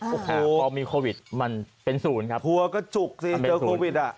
โอ้โหพอมีโควิดมันเป็นศูนย์ครับหัวก็จุกสิเจอโควิดอ่ะ